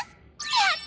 やった！